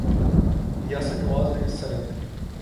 یاسر نواز نے سند